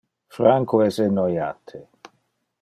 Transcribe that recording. Franco es enoiate.